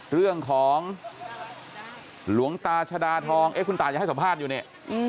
เรื่องของหลวงตาชดาทองคุณตายังให้สัมภาษณ์อยู่นี่